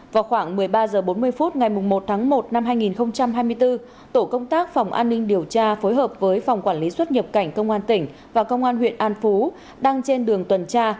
vào khoảng một mươi ba h bốn mươi phút ngày một tháng một năm hai nghìn hai mươi bốn tổ công tác phòng an ninh điều tra phối hợp với phòng quản lý xuất nhập cảnh công an tỉnh và công an huyện an phú đang trên đường tuần tra